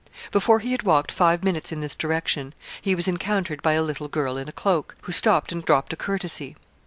Before he had walked five minutes in this direction, he was encountered by a little girl in a cloak, who stopped and dropped a courtesy.